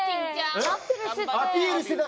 アピールしてて。